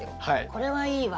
これはいいわ。